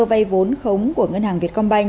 vây vốn khống của ngân hàng việt công banh